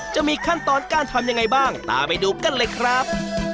จะมีขั้นตอนการทำยังไงบ้างตามไปดูกันเลยครับ